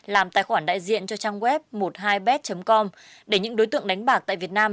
làm tài khoản đại diện cho trang web một mươi hai bet com để những đối tượng đánh bạc tại việt nam